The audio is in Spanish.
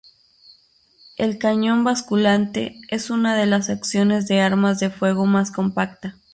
El cañón basculante es una de las acciones de armas de fuego más compacta.